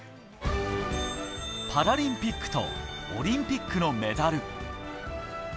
パラリンピックとオリンピックのメダル。